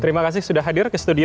terima kasih sudah hadir ke studio